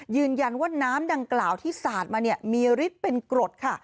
ยืนยันว่าน้ำดังกล่าวที่สาดมามีฤทธิ์เป็นกรดค่ะ